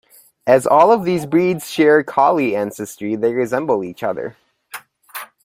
As all of these breeds share Collie ancestry, they resemble each other.